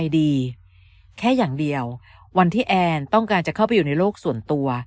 แค่อย่างเดียววันที่แอนต้องการจะเข้าไปอยู่ในโลกส่วนตัว